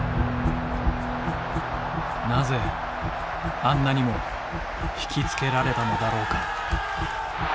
なぜあんなにも引き付けられたのだろうか。